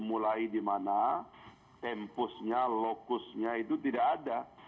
mulai di mana tempusnya lokusnya itu tidak ada